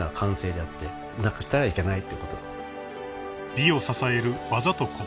［美を支える技と心］